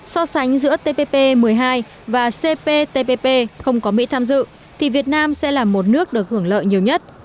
so sánh giữa tpp một mươi hai và cptpp không có mỹ tham dự thì việt nam sẽ là một nước được hưởng lợi nhiều nhất